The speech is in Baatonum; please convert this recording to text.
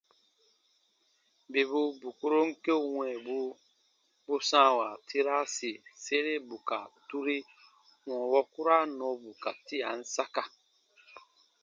Bibu kpuron keu wɛ̃ɛbu bu sãawa tiraasi sere bù ka turi wɔ̃ɔ wukura nɔɔbu ka tian saka.